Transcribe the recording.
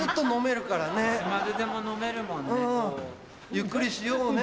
ゆっくりしようね。